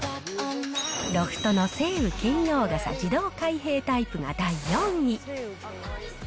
ロフトの晴雨兼用傘自動開閉タイプが第４位。